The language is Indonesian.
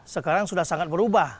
sekarang sudah sangat berubah